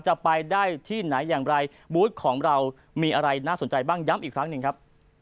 จะไปได้ที่ไหนอย่างไรบูธของเรามีอะไรน่าสนใจบ้างย้ำอีกครั้งหนึ่งครับ